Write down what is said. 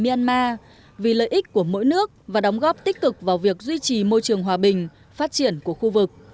myanmar vì lợi ích của mỗi nước và đóng góp tích cực vào việc duy trì môi trường hòa bình phát triển của khu vực